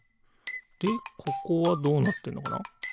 でここはどうなってるのかな？